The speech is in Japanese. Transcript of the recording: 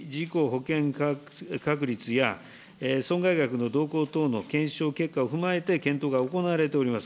自賠責保険料については、毎年、や損害額の動向等の検証結果を踏まえて検討が行われております。